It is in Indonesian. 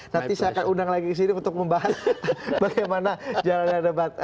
nanti saya akan undang lagi ke sini untuk membahas bagaimana jalannya debat